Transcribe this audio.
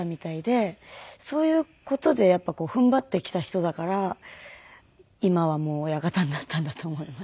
そういう事でやっぱりふんばってきた人だから今はもう親方になったんだと思います。